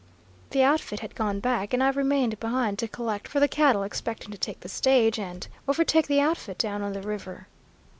The outfit had gone back, and I remained behind to collect for the cattle, expecting to take the stage and overtake the outfit down on the river.